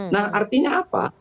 nah artinya apa